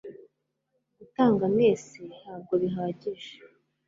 gutanga mwese ntabwo bihagije